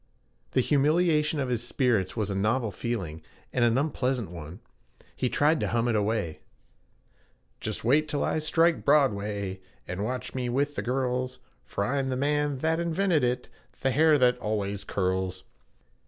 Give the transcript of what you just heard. The humiliation of his spirits was a novel feeling and an unpleasant one; he tried to hum it away: 'Just wait till I strike Broadway And watch me with the girls, For I'm the man that invented it The hair that always curls.'